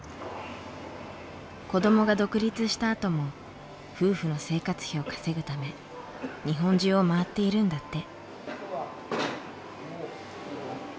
子どもが独立したあとも夫婦の生活費を稼ぐため日本中を回っているんだって。